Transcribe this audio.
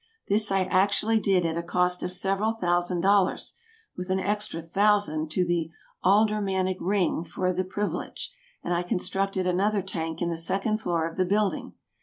This I actually did at a cost of several thousand dollars, with an extra thousand to the aldermanic "ring" for the privilege, and I constructed another tank in the second floor of the building.